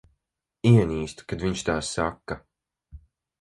Ienīstu, kad viņš tā saka.